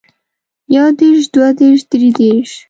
يو دېرش دوه دېرش درې دېرش